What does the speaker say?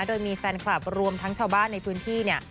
โดยมีแฟนคลับรวมทั้งชาวบ้านในพื้นที่เนี่ย